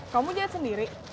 kamu jahit sendiri